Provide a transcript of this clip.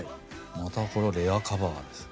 またこのレアカバーですよね。